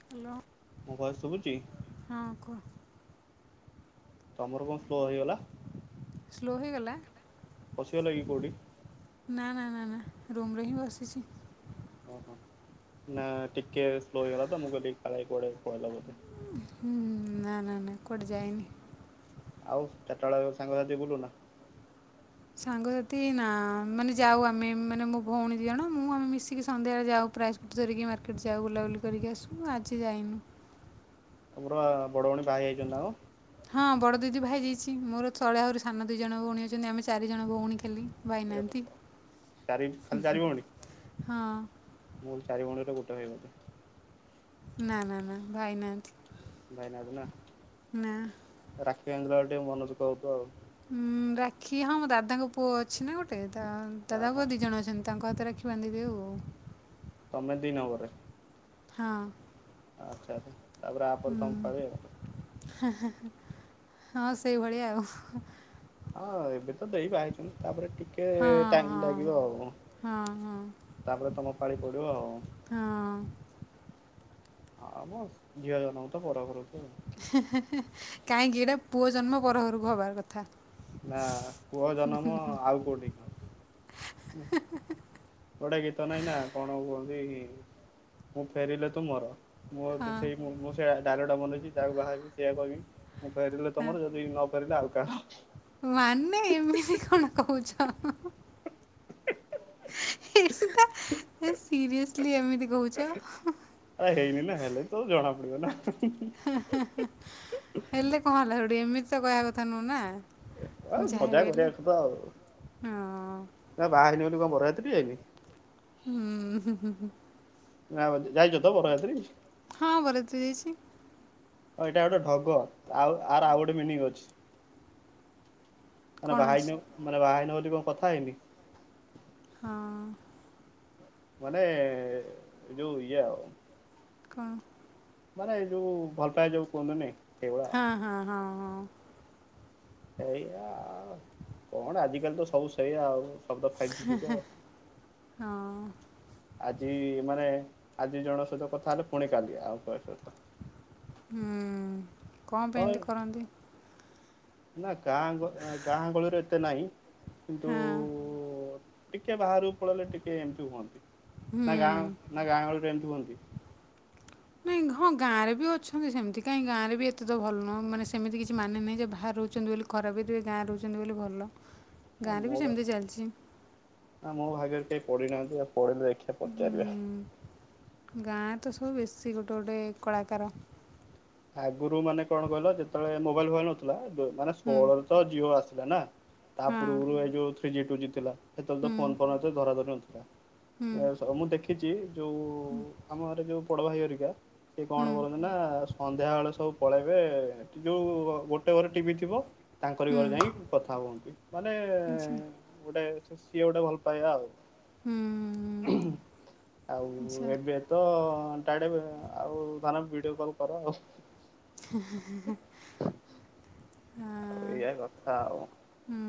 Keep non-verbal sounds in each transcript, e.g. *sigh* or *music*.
Hello ମୋ voice ଶୁଭୁଛି ହଁ କୁ ତମର କଣ ସ୍ଲୋ ହେଇଗଲା ସ୍ଲୋ ହେଇଗଲା ପଶିଗଲକି କଉଠି ନା ନା ନା ନା ରୁମରେ ହିଁ ବସିଚି। ଓହୋ ନା ଟିକେ ସ୍ଲୋ ହେଇଗଲା ତ ମୁଁ କଇଲି କାଳେ କୁଆଡ଼େ ପଳେଇିଲ ବୋଧେ। ହୁଁ ନା ନା ନା କୁଆଡ଼େ ଯାଏନି। ଆଉ ଚାରିଟା ବେଳେ ସାଙ୍ଗସାଥି ବୁଲୁ ନା। ସାଙ୍ଗସାଥି ନା ମାନେ ଯାଉ ଆମେ ମାନେ ମୋ ଭଉଣୀ ଦୁଇଜଣ ମୁଁ ଆମେ ମିଶିକି ସନ୍ଧ୍ୟାବେଳେ ଯାଉ ପ୍ରାୟ ସ୍କୁଟି ଧରିକି ମାର୍କେଟ ଯାଉ ବୁଲାବୁଲି କରିକି ଆସୁ ଆଜି ଯାଇନୁ। ତମର ଆ ହଁ ବଡ ଦିଦି ଭାଇ ଯାଇ ଅଛି ମୋର ତଳେ ଆହୁରୁ ସାନ ଦୁଇଜଣ ଭଉଣୀ ଅଛନ୍ତି ଆମେ ଚାରିଜଣ ଭଉଣୀ ଖାଲି। ଭାଇନାହାନ୍ତି କଣ? ଚାରି ଖାଲି ଚାରି ହଁ ଭଉଣୀ ମୁଁ ଚାରି ଭଉଣୀରେ ଗୋଟେ ଭାଇ ବୋଧେ ନା ନା ନା ଭାଇ ନାହାନ୍ତି। ଭାଇ ନାହାନ୍ତି ନା ନା। ରାକ୍ଷୀ ବାନ୍ଧିଲା ବଳେ ଟିକେ ମନ ଦୁଃଖ ହଉଥିବ ଆଉ। ଉଁ ରାକ୍ଷୀ ହଁ ମୋ ଦାଦାଙ୍କ ପୁଅ ଅଛି ନା ଗୋଟେ ଦା ଆ ଦାଦାଙ୍କ ହା ପୁଅ ଦି ଜଣ ଅଛନ୍ତି। ତାଙ୍କ ହାତରେ ରାଖି ବାନ୍ଧିଦେଉ ତମେ ଦି ନମ୍ବର ରେ। ହଁ। ଆଚ୍ଛା ଆଛା ତାପରେ ଆପରେ ତମ ପଳି ଆଉ। ହେ ହେ ହଁ ସେଇଭଳିଆ ଆଉ ଅ‌ହା ଅ ଏବେ ତ ଦେଇ ବାହା ହେଇଛନ୍ତି ତାପରେ ଟିକେ ହଁ ଟାଇମ୍ ହଁ ଲାଗିବ ଆଉ। ହଁ ହଁ ତାପରେ ତମ ପାଳି ପଡ଼ିବ ଆଉ। ହଁ ହ ମ ଝିଅ ଜନ୍ମ ତ ପରଘର ହେ ହେ ହେ କାହିଁକି ଏଟା ପୁଅ ଜନ୍ମ ପରଘରକୁ ହବାର କଥା। ନା ପୁଅ ଜନ୍ମ ଆଉ କୋଉଠି କି ଗୋଟେ ଗୀତ ନାଇଁ ନା କଣ କହୁଛି ମୁଁ ଫେରିଲେ ତୁ ମୋର ମୁଁ ତ ସେଇ ମୁଁ ସେଇ ଡାଇଲକ୍ ମନେ ରଖିଚି ଯାହାକୁ ବାହାହେବି ସେଇଆ କହିବି। ମୁଁ ଫେରିଲେ ତମର ଯଦି ନ ଫେରିଲି ଆଉ କାହାର। ମାନେ ଏମିତି କଣ କହୁଛ। *inaudible* ସିରିୟେସ୍‌ଲି ଏମିତି କହୁଛ? ଆ ହେଇନି ନା ହେଲେ ତ ଜଣା ପଡିବ ନା ହେଁ। ହୁଁ ହୁଁ ହେଲେ କଣ ହେଲା ହେଠୁ ଏମିତି ତ କହିବା କଥା ନୁହେଁ ନା। ଏ ଯାହା ମଜା ବି ଗଜା ହେଲେ ଫାଜା ଆଉ ହଁ *inaudible* ନା ବାହା ହେଇନି ବୋଲି କଣ ବର ଫ୍ରି ହେବି ହୁଁ ହୁଁ ହୁଁ ହୁଁ। ନାଁ ଯାଇଛ ତ ବର ଯାତ୍ରୀ? ହଁ ବର ଯାତ୍ରୀ ଯାଇଛି। ହଁ ଏଇଟା ଗୋଟେ ଢଗ ଆଉ ଆର ଆଉ ଗୋଟେ ମିନିଂ ଅଛି। କଣ ବାହା ହେଇନେ ମାନେ ବାହା ମାନେ ବୋଲି କଣ କଥା ହେଇନି? ହଁ। ମାନେ *inaudible* ଯୋଉ ଇଏ ଆଉ କଁ ମାନେ ଏଇ ଯୋଉ ଭଲ ପାଏ ଯୋଉ ସୁ ମାନେ ହଁ ହଁ ହଁ ହଁ। ଏଇଆ କଣ ଆଜିକାଲି ତ ସବୁ ସେଇଆ ଆଉ। ହବ ଫାଇଭ୍ ଯୁଦ୍ଧ *inaudible* ହଁ ଆଜି ମାନେ ଆଜି ଜଣ ସହିତ କଥା ହେଲେ ପୁଣି କାଲି ଆଉ କା ସହିତ ହୁଁ କଣ ପାଇଁ ହଁ ଏମିତି କରନ୍ତି? ନା ଗାଁ ଗାଁ ଗଳିରୁ ଏତେ ନାହିଁ। କିନ୍ତୁ ହଁ ଟିକେ ବାହାରୁ ଳରେ ଟିକେ ଏମିତି ହୁଅନ୍ତି ନା ଗାଁ ହୁଁ ନା ଗାଁ ଗହଳିରେ ଏମିତି ହୁଅନ୍ତି? ହୁଁ। ହଁ ଗାଁରେ ବି ଅଛନ୍ତି ସେମିତି କାହିଁ ଗାଁରେ ବି ଏତେ ତ ଭଲ ନୁହଁ ମାନେ ସେମିତି କିଛି ମାନେ ନାହିଁ ଯେ ବାହ ରହୁଛନ୍ତି ବୋଲି ଖରାପ ବିଥୁ ଗାଁରେ ରହୁଛନ୍ତି ବୋଲି ଭଲ ଆ ଗାଁରେ ବି ମୋ ସେମିତି ଚାଲିଛି ବା *inaudible* ମୋ ଭାଗରେ କେହି ପଡି ନାହାନ୍ତି ଆଉ। ପଡ଼ିଲେ ଦେଖିବା ପଚାରିବା। ହୁଁ ଗାଁ ତ ସବୁ ବେଶୀ ଗୋ ଟୋ ଗୋଟେ କଳାକାର ଆଗରୁ ମାନେ କଣ କହିଲ ଯେତେବେଳେ ମୋବାଇଲ ଭଲ ନଥିଲା ମାନେ ହୁଁ ଷୋହଳରେ ତ ଜିଓ ଆସି ଥିଲା ନା ତା ହଁ ପୂର୍ବରୁ ଏଇ ଯୋଉ ଥ୍ରୀ ଜି ଫି ଜି ଥିଲା ସେତେବେଳେ ତ ହୁଁ ଫୋନ ଫୋନ ଏତ ଧରା ଧରି ନଥିଲା। ହୁଁ ଆଚ୍ଛା ମୁଁ ଦେଖିଛି ଯୋଉ ଆମ ଘରେ ଯୋଉ ବଡ଼ ଭାଇ ହରିକା ସେ କଣ ହୁଁ କରନ୍ତି ନା ସୋ ଳେ ସବୁ ପଳେଇବେ ଯୋଉ ଗୋଟେ ଘରେ ଟିଭି ଥିବ ତାଙ୍କରି ହୁଁ ଘରେ ଯାଇ କଥା ହୁଅନ୍ତି ମାନେ ଆଚ୍ଛା ଗୋଟେ ସିଏ ଗୋଟା ଭଲ ପାଇବା ଆଉ ହୁଁ *inaudible* ହୁଁ ଆଉ ଆଚ୍ଛା ଏବେ ତ ଟାଡେ ଆଉ ଧନ ଭିଡିଓ କଲ୍ କର ଆଉ ଆଉ ହଁ ଏଇଆ କଥା ଆଉ ହୁଁ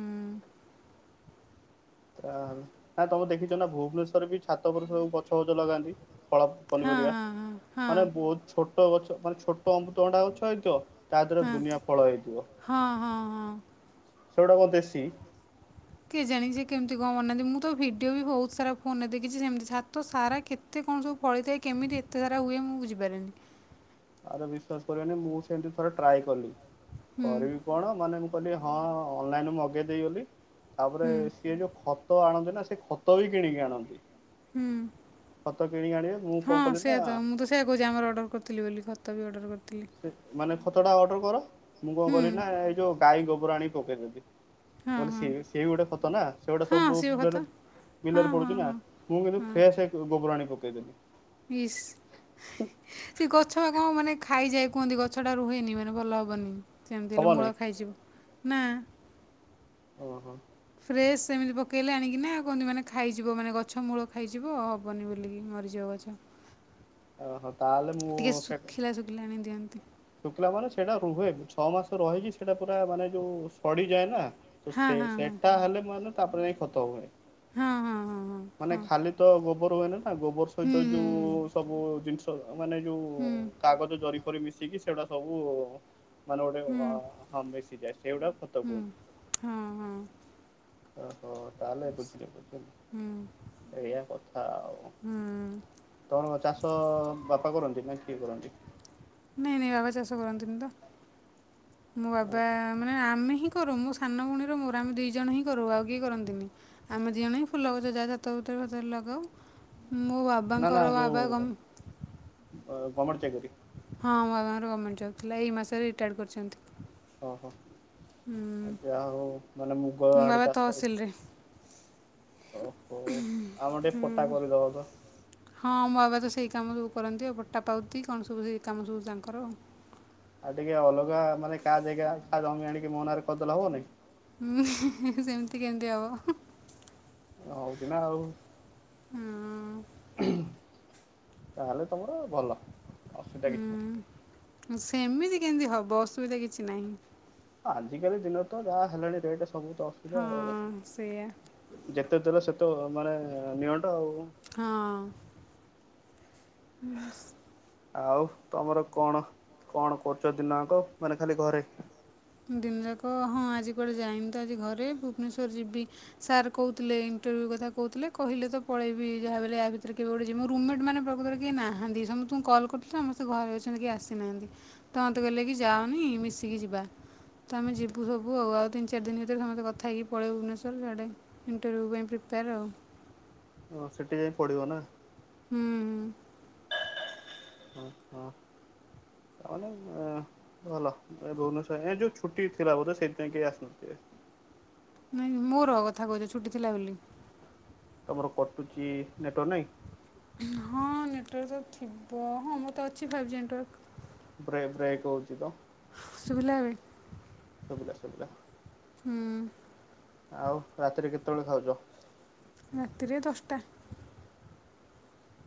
ତା ନାଇଁ ତମେ ଦେଖିଛ ନା ଭୁବନେଶ୍ୱରରେ ବି ଛାତ ଉପୁରରେ ସବୁ ଗଛ ଫଛ ଲଗାନ୍ତି? ଫଳ ହଁ ପନିପରିବା ହଁ ହଁ ହଁ ମାନେ ବହୁତ ଛୋଟ ଗଛ ମାନେ ଛୋଟ ଅମୃତ ଅଣ୍ଡା ଗଛ ଏଇତ ତା ଦେହରେ ଦୁନିଆ ଫଳ ହେଇଥିବ ହଁ ହଁ ହଁ ହଁ *inaudible* ସେଗୁଡାକ ଦେଶି କେ ଜାଣି ସେ କେମିତି କ ବନାନ୍ତି ମୁଁ ତ ଭିଡିଓ ବି ବହୁତ ସାରା ଫୋନରେ ଦେଖିଛି ସେମତି ଛାତ ସାରା କେତେ କଣ ସବୁ ଫଳି ଥାଏ କେମିତି ଏତେ ସାରା ହୁଏ ମୁଁ ବୁଝିପାରନି। ଆରେ ବିଶ୍ଵାସ କରିବନି ମୁଁ ସେମିତି ଥରେ ଟ୍ରାଏ କଲି ହୁଁ କରିବି କଣ ମାନେ ମୁଁ କହ ହଁ ଅନଲାଇନ ମଗେଇ ଦେଇଗଲି ତାପରେ ହୁଁ ସିଏ ଯୋଉ ଖ ତ ଆଣନ୍ତି ନା ସେ ଖତ ବି କିଣିକି ଆଣନ୍ତି। ହୁଁ ଖତ କିଣିକି ଆଣିବେ ମୁଁ କଣ ହଁ କଲି ନା ସେଆ ତ ମୁଁ ତ ସେଆ କହୁଚି ଆମାର ଅର୍ଡର କରିଥିଲି ବୋଲି ଖ ତ ଵି ଅର୍ଡର ସେ ମାନେ ଖତ ଟା ଅର୍ଡର କର ମୁଁ କଣ ହୁଁ କଲିି ନା ଏଇ ଯୋଉ ଗାଈ ଗୋବର ଆଣିିକି ପକେଇଦେଲି। ହଁ ବୋଲେ ହଁ ସିଏ ସିଏ ବି ଗୋଟେ ଖତ ନା ସେ ଗୁଡ଼ା ହଁ ସବୁ ଆସିବ ଖତ ବିଲରେ। ହଁ ବିଲରେ ହଁ ପଡୁଛି ନା ହଁ ମୁଁ କିନ୍ତୁ ହଁ ଫ୍ରେଶ ଗୋବର ଆଣି କି ପକେଇ ଦେଲିି। ଇସ୍। ସେ ଗଛ ବା କଣ ମାନେ ଖାଇଯାଏ କୁହନ୍ତି ଗଛ ଟା ରୁହେନି ମାନେ ଭଲ ହବନି। ସେମିତି ହବ ହେଲେ ନାଇଁ? ମୂଳ ଖାଇଯିବ ନା। ଓହୋ। ଫ୍ରେଶ ସେମିତି ପକେଇଲେ ଆଣିକିନା କୁହନ୍ତି ମାନେ ଖାଇଯିବ ମାନେ ଗଛ ମୂଳ ଖାଇଯିବ ହବନି ବେଲିକି ମରିଯିବ ଗଛ। ତାଏଲେ ମୁଁ ଟିକେ ସେ ଶୁଖିଲା ଶୁଖିଲା ଆଣି ଦିଅନ୍ତି ଶୁଖିଲା ମାନେ ସେଇଟା ରୁହେ ଛଅ ମାସ ରହିକି ସେଇଟା ପୁରା ମାନେ ଯୋଉ ସଡି ଯାଏ ନା। ତ ହଁ ସେ ହଁ ସେଟା ହେଲେ ମାନେ ତାପରେ ଯାଇ ଖତ ହୁଏ। ହଁ ହଁ ମାନେ ହଁ ହଁ ହଁ ହଁ ଖାଲି ତ ଗୋବର ହୁଏନି। ନା ଗୋବର ହୁଁ ସହିତ ଯୋଉ ସବୁ ଜିନିଷ ମାନେ ହୁଁ ଯୋଉ କାଗଜ ଜରିଫରି ମିଶିକି। ସେଗୁଡା ସବୁ। ମାନେ ଗୋଟେ ହୁଁ ହୁଁ ଆ ହଁ ମିଶି ଯାଏ ସେଇଗୁଡା ଖତ ହୁଁ କୁହନ୍ତି। ହଁ ହଁ ଓହୋ ତାହଲେ ବୁଝିଲି ବୁଝିଲି ଏଇଆ କଥା ଆଉ। ହୁଁ ତ ଚାଷ ବାପା କରନ୍ତି ନା କିଏ କରନ୍ତି? ନାଇଁ ନାଇଁ ବାବା ଚାଷ କରନ୍ତିନି ତ ମୋ ବାବା ଓହୋ ମାନେ ଆମେ ହିଁ। କରୁ ମୋ ସାନ ଭଉଣୀ ମୋର ଆମେ ଦି ଜଣ ହିଁ କରୁ ଆଉ କିଏ କରନ୍ତିନ ଆମେ ଦି ଜଣ ହି ଫୁଲ ଗଛ ଯାହା ଛାତ ଫା ତ ରେ ଲଗାଉ ମୋ ବାବା ନା ନା ଙ୍କର ବାବା ଗ ଗମେଟ ଚାକରି। ହଁ ମୋ ବାବା ଙ୍କର ଗମେଣ୍ଟ ଜବ୍ ଥିଲା ଏହି ମାସରେ ରିଟାର୍ଡ଼ କରିଛନ୍ତି। ଓହୋ ହୁଁ, ଯା ହଉ ମାନେ ମୁଗ ମୋ ଆଡେ ବାବା ଚାଷ ହଉଚି। ତହସିଲରେ ଓହୋ ଆମର ଟିକେ ପଟା କରେଇ ଦବ ତ। ହଁ ମୋ ବାବା ତ ସେଇ କାମ ସବୁ କରନ୍ତି ଆଉ ପଟା ପାଉତି କଣ ସବୁ ସେ କାମ ସବୁ ତାଙ୍କର ଆଉ। ଆଉ ଟିକେ ଅଲଗା ମାନେ କାହା ଯେଗା କା ଜମି ଆଣିକି ମୋ ନାରେ କରିଦେଲେ ହବନି। ଉଁ ହେଁ ହେଁ ହେଁ ସେମିତି କେମତି ହବ ହେଁ। ହଉଛି ନା ଆଉ। ହୁଁ। ତାହେଲେ ତମର ଭଲ ଅସୁବିଧା କିଛି ନାହିଁ। ସେମିତି କେମିତି ହବ ଅସୁବିଧା କିଛି ନାହିଁ। ଆଜିକାଲି ଦିନରେ ତ ଯାହା ହେଲାଣି ରେଟ ସବୁ ତ ଅସୁବିଧା ହଁ ସେଇଆ ଆଉ ଯେତେ ଦେଲେ ସେ ତେ ମାନେ ନିଅଣ୍ଟ। ଆଉ। ହଁ। ହୁଁ ସ ଆଉ ତମର କଣ କଣ କରୁଛ ଦିନ ଯାକ ମାନେ ଖାଲି ଘରେ। ଦିନ ଯାକ ହଁ ଆଜି କୁଆଡେ ଯାଇନି ତ ଆଜି ଘରେ ଭୁବନେଶ୍ଵର ଯିବି ସାର୍ କହୁଥିଲେ ଇନ୍ ଟରଭ୍ୟୁ କଥା କହୁଥିଲେ କହିଲେ ତ ପଳେଇବି ଯାହା ବି ହେଲେ ଆ ଭିତରେ କେବେ ଗୋଟେ ଯିବି ମୋ ରୁମ ମେଟ୍ ମାନେ ପ୍ରକୃତରେ କେହି ନାହାନ୍ତି ସମତ ତୁଙ୍କୁ କଲ୍ କରିୁଥିଲି ସମସ୍ତେ ଘରେ ଅଛନ୍ତି କେହି ଆସି ନାହାଁନ୍ତି ତ ମୋତେ କହିଲେ କି ଯାଅନି ମିଶିକି ଯିବା। ତ ଆମେ ଯିବୁ ସବୁ ଆଉ ଆଉ ତିନ ଚାର ଦିନ ଭିତରେ ସମସ୍ତେ କଥା ହେଇକି ପଳେଇବୁ ଭୁବନେଶ୍ୱର ସିଆଡେ ଇଣ୍ଟରଭ୍ୟୁ ପାଇଁ ପ୍ରିପେୟାର୍। ଆଉ। ହ ସେଠି ଯାଇଁ ପଢିବ ନା? ହୁଁ ହୁଁ। ହଁ ହଁ। ତା ମାନେ ଆଁ ଭଲ ଏ ଭୁବନେସର ଏଁ ଯୋଉ ଛୁଟି ଥିଲା ବୋଧେ ସେଇଥି ପାଇଁ କେହି ଆସି ନଥିବେ। ନାଇଁ ମୋର କଥା କହୁଛ ଛୁଟି ଥିଲା ବେଲି। ତମର କଟୁଛି ନେଟୱାରକ ନାଇଁ। ହଁ ନେଟୱାର୍କ ଥିବ ହଁ ମୋର ତ ଅଛି ଫାଇଭ୍ ଜି ନେଟୱାର୍କ। ବ୍ରେ ବ୍ରେକ୍ ହଉଚି ତ? ଶୁଭିଲା ଏବେ? ଶୁଭିଲା ଶୁଭିଲା। ହୁଁ। ଆଉ ରାତିରେ କେତେବେଳେ ଖାଉଛ? ରାତିରେ ଦଶଟା।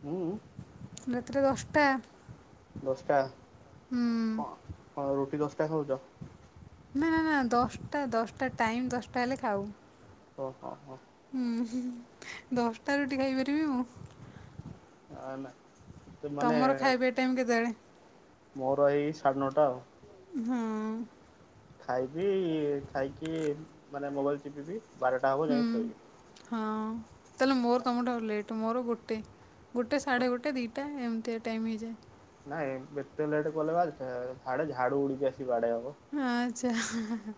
ହୁଁ ତା ଦଶଟା କଣ କଣ ରୁଟି ଦଶଟା ଖାଉଛ? ନା ନା ନା ଦଶଟା ଦଶଟା ଟାଇମ ଦଶଟା ହେଲେ ଖାଉ। ଓ ହୋ ହୋ। ହୁଁ ଦଶଟା ରୁଟି ଖାଇପାରିବି ମୁଁ। ହନା। ତମର ଖାଇବା ଟାଇମ କେତେବେଳେ? ମୋର ଏଇ ସାଢେ ନଅଟା ଆଉ। ହଁ। ଖାଇବି ଖାଇକି ମାନେ ମୋବାଇଲ ଚିପିବି ବାରଟା ହବ ହୁଁ ଯାଇକି ଶୋଇବି। ହଁ ତାହାଲେ ମୋର ତୁମଠୁ ଆହୁରି ଲେଟ୍ ମୋର ଗୋଟେ। ଗୋଟେ ସାଢେ ଗୋଟେ ଦିଟା ଏମିତିଆ ଟାଇମ ହେଇଯାଏ। ନାଇଁ ଏତେ ଲେଟ୍ କଲେ ବା ଆ ସିଆଡେ ଝାଡୁ ଉଡିକି ଆସିକି ବାଡେଇ ହବ। ସେ ହେ ହେ ହେ।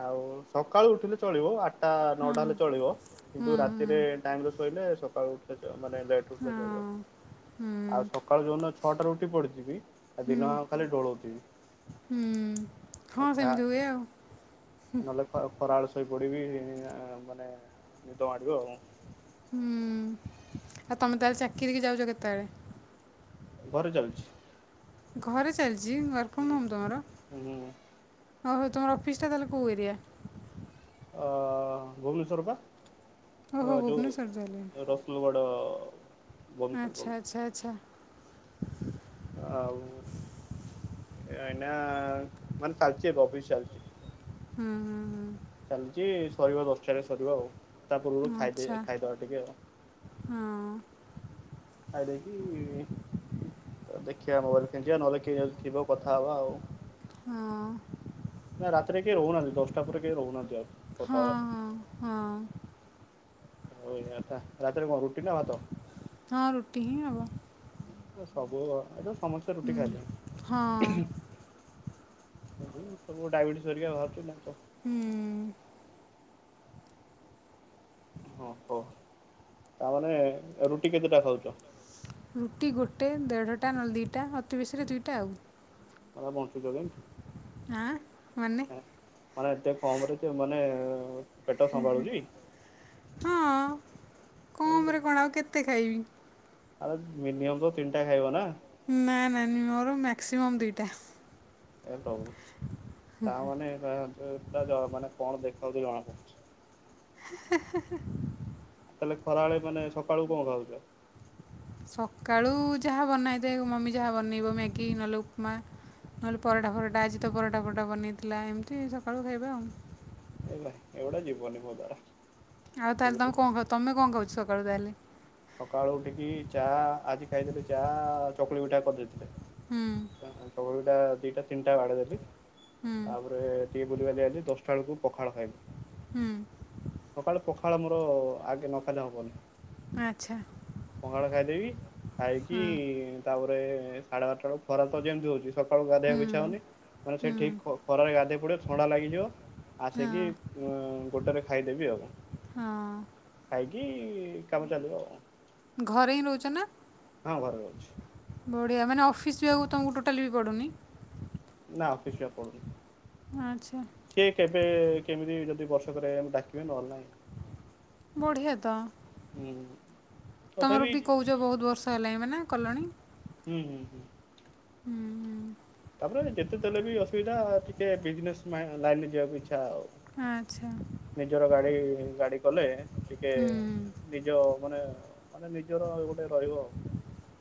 ଆଉ ସକାଳୁ ଉଠିଲେ ଚଳିବ ଆଠ ଟା ହଁ ନଅଟା ହେଲେ ଚଳିବ। ହୁଁ କିନ୍ତୁ ହୁଁ ରାତିରେ ଟାଇମ ରେ ଶୋଇଲେ ସକାଳୁ ଉଠିଲେ ଚ ମାନେ ଲେଟରେ ଉଠିଲେ ହଁ ଚଳିବ। ହୁଁ ଆଉ ସକାଳୁ ଯୋଉଦିନ ଛଅଟାରୁ ଉଠି ପଡିଥିବି ଆ ହୁଁ ଦିନଆଙ୍କ ଖାଲି ଢ଼ୋଳଉଥିବି ହୁଁ ଆ ହଁ ଖା ସେମିତି ହୁଏ ଆଉ ନହେଲେ ଖ ଖରାବେଳେ ଶୋଇପଡିବି ଇ ମାନେ ନିଦ ମାଡିବ ଆଉ। ହୁଁ ଆଉ ତମେ ତାହେଲେ ଚାକିରିକି ଯାଉଛ କେତେବେଳେ? ଘରେ ଚାଲୁଛି। ଘରେ ଚାଲିଛି ୱାର୍କ ଫ୍ରମ ହୋମ ତମର? ହୁଁ। ହଉ ହଉ ତୁମର ଅଫିସ ଟା ତାହେଲେ କୋଉ ଏରିଆ? ଅ ଭୁବନେଶ୍ଵର ପା ଓହୋ ଭୁବନେଶ୍ୱର ତାହେଲେ ଯୋଉ ରଶୁଲଗଡ଼। ଆ ଆଚ୍ଛା ଆଚ୍ଛା ଆଚ୍ଛା। ଆଉ। ଆଇନା ମାନେ ଚାଲିଚି ଏବେ ଅଫିସ ଚାଲିଛି। ହୁଁ ହୁଁ ହୁଁ। ଚାଲିଛି ସରିବ ଦଶଟାରେ ସରିବ ଆଉ। ତା ପୂର୍ବରୁ ହୁଁ ଆଚ୍ଛା ଖାଇଦିଏ ଖାଇଦବା ଟିକେ ଆଉ। ହଁ ଖାଇଦେଇକି ଦେଖିବା ମୋବାଇଲ କେଞ୍ଚିବା ନହେଲେ କିଏ ଯଦି ଥିବ କଥା ହବା ଆଉ। ହଁ ନା ରାତିରେ କେହି ରହୁନାହାନ୍ତି ଦଶଟା ପରେ କେହି ରହୁନାହାନ୍ତି ଆଉ। କଥା ହଁ ହବା ପାଇଁ। ହଁ ହଁ। ହଉ ଏଗାରଟା ରାତିରେ କଣ ରୁଟି ନା ଭାତ? ହଁ ରୁଟି ହିଁ ହବ। ସବୁ ଏବେ ସମସ୍ତେ ରୁଟି ହଁ ଖାଇଲେନି। ସେ ସବୁ ଡାଇବେଟିସ ହେରିକା ବାହାରୁଛି ନା କ ହୁଁ। ଓହୋ ତାମାନେ ରୁଟି କେତେଟା ଖାଉଛ? ରୁଟି ଗୋଟେ ଦେଢ଼ଟା ନହେଲେ ଦୁଇଟା ଅତି ବେଶୀରେ ଦୁଇଟା ଆଉ। ବଞ୍ଚୁଚ କେମିତି? ଆଁ ମାନେ ମାନେ ଏତେ କମରେ ତେ ମାନେ ପେଟ ସମ୍ଭାଳୁଛି। ହଁ ହଁ କମରେ କଣ ଆଉ କେତେ ଖାଇବି। ଆରେ ମିନିମମ୍ ତ ତିନିଟା ଖାଇବ ନା ନାଇଁ ନାଇଁ ମୋର ମାକ୍ସିମମ୍ ଦିଟା। ହେ ପ୍ରଭୁ। ତା ମାନେ- ତା ମାନେ କଣ ଦେଖାଉଛି ଜଣାପଡୁଛି। *unintelligible* ତାହେଲେ ଖରାବେଳେ ମାନେ ସକାଳୁ କଣ ଖାଉଛ? ସକାଳୁ ଯାହା ବନାହେଇଥାଏ ମମି ଯାହା ବନେଇବ ମ୍ୟାଗି ନହେଲେ ଉପମା। ନହେଲେ ପରଟା ପରଟା ଆଜି ତ ପରଟା ପରଟା ବନେଇଥିଲା ଏମିତି ସକାଳୁ ଖାଇବା ଆଉ। ହେଲା ଏଗୁଡା ଯିବ ନିି ମୋ ଦ୍ୱାରା ଆଉ ତାହେଲେ ତମେ କଣ ତମେ କଣ କହୁଛ ସକାଳୁ ତାହେଲେ ସକାଳୁ ଉଠିକି ଚା ଆଜି ଖାଇଥିଲେ ଚା ଚକୁଳି ପିଠା କରି ଦେଇଥିଲେ। ହୁଁ ଚକୁଳି ପିଠା ଦିଟା ତିନିଟା ବାଡ଼େଇ ଦେଲି ହୁଁ ତାପରେ ଟିକେ ବୁଲିବାଲି ଆଇଲି ତାପରେ ଦଶଟା ବେଳକୁ ପଖାଳ ଖାଇଲି। ହୁଁ ସକାଳୁ ପଖାଳ ମୋର ଆଗେ ନ ଖାଇଲେ ହବନି। ଆଚ୍ଛା ପାଖାଳ ଖାଇଦେବି ଖାଇକି ହଁ ତାପରେ ସାଢେ ବାରଟା ବେଳକୁ ଖରା ତ ଯେମିତି ହଉଛି ସକାଳୁ ହୁଁ ଗାଧୋଇବା ଇଛ ହୋଊନି ମାନେ ସେ ହୁଁ ଠିକ ଖରାରେ ଗାଧୋଇ ପଡିବ ଥଣ୍ଡା ଲାଗିଯିବ। ଆସିକି ହଁ ଗୋଟରେ ଖାଇଦେବି ଆଉ ହଁ ଖାଇକି କି କାମ ଚାଲିବ ଆଉ। ଘରେ ହିଁ ରହୁଛ ନା। ହଁ ଘରେ ରହୁଛି। ବଢ଼ିଆ ମାନେ ଅଫିସ୍ ଯିବାକୁ ତୁମକୁ ଟୋଟାଲି ବି ପଡ଼ୁନି। ନା ଆଚ୍ଛା କେବେ କେମିତି ଯଦି ବର୍ଷ ରେ ଡାକିବେ ନହେଲେ ନାହିଁ। ବଢିଆ ତ ହୁଁ ତମର ତଥାପି ବି କହୁଛ ବହୁତ ବର୍ଷ ହେଲାଣି ମାନେ କଲଣି। ହୁଁ ହୁଁ ହୁଁ। ହୁଁ ହୁଁ। ତାପରେ ଯେତେ ଦେଲେ ବି ଅସୁବିଧା ଟିକେ ବିଜନେସ୍ ଲାଇନ ରେ ଯିବାକୁ ଇଚ୍ଛା ଆଉ *unintelligible* ନିଜର ଗାଡି ଗାଡି କଲେ ଟିକେ ନିଜ ମାନେ ମାନେ ନିଜର ଗୋଟେ ରହିବ।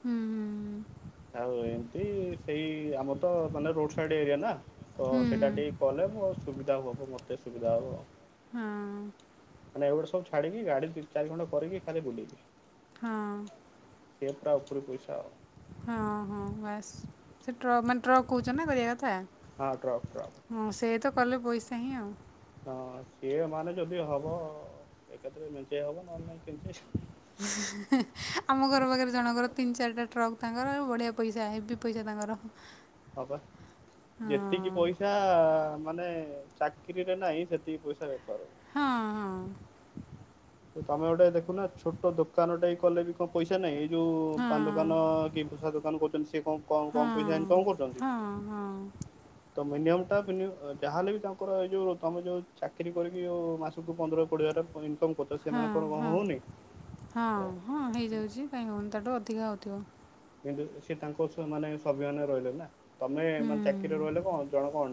ହୁଁ ହୁଁ। ଆଉ ଏମିତି ସେଇ ଆମର ତ ମାନେ ରୋଡ ସାଇଡ ଏରିଆ ନା ତ ସେଇଟା ଟିକେ କଲେ ସୁବିଧା ହବ ମୋତେ ସୁବିଧା ହବ। ହଁ। ମାନେ ଏଗୁଡା ସବୁ ଛାଡ଼ିକି ଗାଡ଼ି ଚାରିଖଣ୍ଡ କରିକି ଖାଲି ବୁଲିବି। ହଁ। କେପ୍ ଟା ଉପରି ପଇସା ଆଉ। ହଁ ହଁ ବାସ୍ ସେ ଟ୍ରକ ମାନେ ଟ୍ରକ୍ କହୁଛ ନା କରିବା କଥା। ହଁ ଟ୍ରକ ହଁ ଟ୍ରକ। ସେ ତ କଲେ ପଇସା ହିଁ ଆଉ। ହଁ ସିଏ ମାନେ ଯଦି ହବ ଏକତ୍ରରେ ମିଞ୍ଚେଇ ହବ ନହେଲେ ନାଇଁ କେଞ୍ଚେଇ ହବ। ଆମ ଘର ପାଖରେ ଜଣଙ୍କର ତିନି ଚାରିଟା ଟ୍ରକ୍ ତାଙ୍କର ବଢିଆ ପଇସା ହେବିି ପଇସା ତାଙ୍କର। ହବା ଯେତିକି ପଇସା ମାନେ ଚାକିରିରେ ନାହିଁ ସେତିକି ପଇସା ବେପାର। ହଁ ହଁ ସେ ତମେ ଗୋଟେ ଦେଖୁନ ଛୋଟ ଦୋକାନ ଟାଏ କଲେ କଣ ପଇସା ନାହିଁ? ଯୋଉ ପାନ ଦୋକାନ କି ମିଠା ଦୋକାନ କରୁଛନ୍ତି ସେ କଣ କମ ହଁ ପଇସା ଇନକମ ହଁ କରୁଛନ୍ତି? ହଁ ହଁ ତ ମିନିମମ ଟା ଯାହେଲେ ବି ତାଙ୍କର ଏଇ ଯୋଉ ତମେ ଯୋଉ ଚାକିରି କରିକି ଯୋଉ ମାସକୁ ପନ୍ଦର କୋଡିଏ ହଜାର ଇନକମ୍ କରୁଛ ହଁ ସେମାନଙ୍କର କଣ ହଁ ହଉନି ହଁ ହଁ ହେଇଯାଉଛି କାଇ ହଁ ତାଠୁ ଅ ଅଧିକା ହେଉଥିବ। କିନ୍ତୁ ସିଏ ତାଙ୍କ ମାନେ ସ୍ୱାଭିମାନରେ ରହିଲେ ନା ତମେ ମାନେକିରିରେ ହୁଁ ରହିଲେ କଣ ଜଣକ ଅଣ୍ଡର